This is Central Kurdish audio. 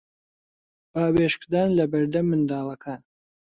باوێشکدان لە بەردەم منداڵەکان